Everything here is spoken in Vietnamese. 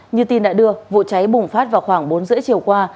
như tin đã đưa vụ cháy bùng phát vào khoảng bốn h ba mươi chiều qua